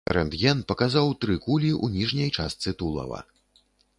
Рэнтген паказаў тры кулі ў ніжняй частцы тулава.